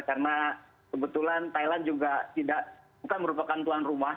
karena sebetulan thailand juga tidak merupakan tuan rumah